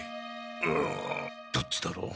うんどっちだろう？